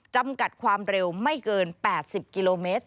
จำกัดความเร็วไม่เกิน๘๐กิโลเมตร